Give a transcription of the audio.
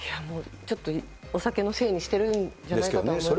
ちょっと、お酒のせいにしてるんじゃないかとは思いますけどね。